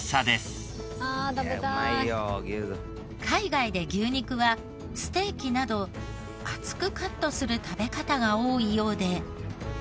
海外で牛肉はステーキなど厚くカットする食べ方が多いようで。